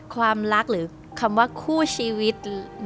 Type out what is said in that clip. ความรักหรือคำว่าคู่ชีวิต